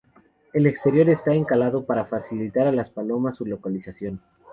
El exterior está encalado para facilitar a las palomas su localización.